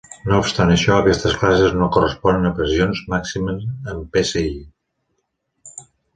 No obstant això, aquestes classes no corresponen a pressions màximes en psi.